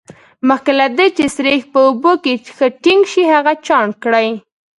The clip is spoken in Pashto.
مخکې له دې چې سريښ په اوبو کې ښه ټینګ شي هغه چاڼ کړئ.